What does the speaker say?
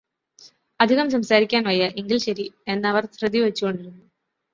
‘‘അധികം സംസാരിക്കാൻ വയ്യ. എങ്കിൽ ശരി’’ എന്ന് അവർ ധൃതിവെച്ചുകൊണ്ടിരുന്നു.